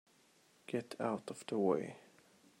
Get out of the way!